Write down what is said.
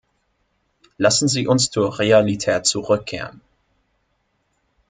Lassen Sie uns zur Realität zurückkehren.